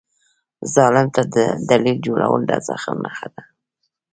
ظالم ته دلیل جوړول د زخم نښه ده.